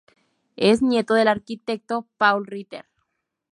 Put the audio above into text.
Es nieto del arquitecto Paul Ritter.